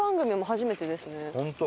本当？